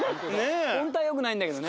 ほんとはよくないんだけどね。